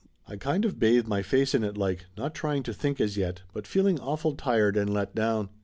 I kind of bathed my face in it like, not trying to think as yet, but feeling awful tired and let down.